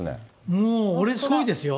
もう俺すごいですよ。